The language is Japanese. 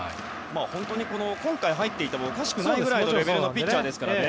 本当に、今回入っていてもおかしくないぐらいのレベルのピッチャーですからね。